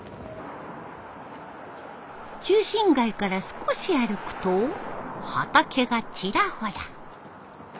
中心街から少し歩くと畑がチラホラ。